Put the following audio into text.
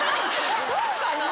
そうかな？